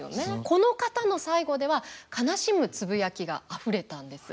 この方の最期では悲しむつぶやきがあふれたんです。